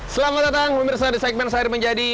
selamat datang pemirsa di segmen sehari menjadi